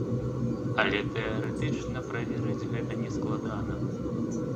Але тэарэтычна праверыць гэта не складана.